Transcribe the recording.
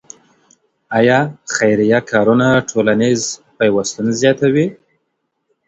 آیا خیریه کارونه ټولنیز پیوستون زیاتوي؟